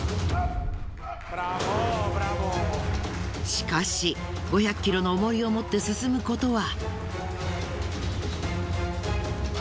しかし５００ｋｇの重りを持って進むことは。